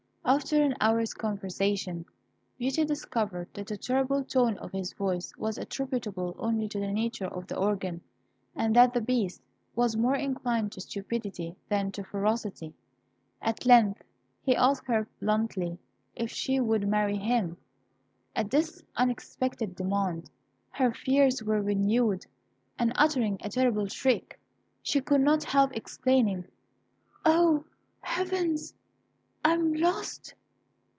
After an hour's conversation, Beauty discovered that the terrible tone of his voice was attributable only to the nature of the organ; and that the Beast was more inclined to stupidity than to ferocity. At length he asked her bluntly if she would marry him. At this unexpected demand, her fears were renewed, and uttering a terrible shriek, she could not help exclaiming, "O! Heavens, I am lost!"